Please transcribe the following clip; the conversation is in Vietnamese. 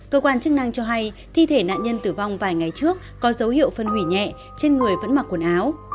cơ quan chức năng cho hay thi thể nạn nhân tử vong vài ngày trước có dấu hiệu phân hủy nhẹ trên người vẫn mặc quần áo